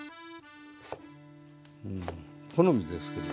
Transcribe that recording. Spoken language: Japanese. うん好みですけど。